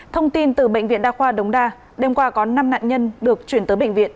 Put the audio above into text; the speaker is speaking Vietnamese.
thông tin từ bệnh viện đa khoa đống đa đêm qua có năm nạn nhân được chuyển tới bệnh viện